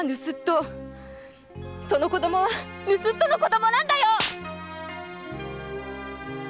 その子供は盗っ人の子供なんだよ！